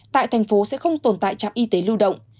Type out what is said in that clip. tại thành phố sẽ không tồn tại trạm y tế lưu động